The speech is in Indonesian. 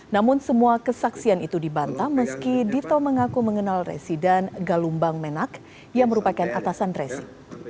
namun semua kesaksian itu dibantah meski dito mengaku mengenal residan galumbang menak yang merupakan atasan resi